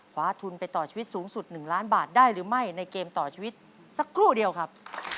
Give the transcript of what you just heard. คว้าทุนไปต่อชีวิตสูงสุด๑ล้านบาทได้หรือไม่ในเกมต่อชีวิตสักครู่เดียวครับ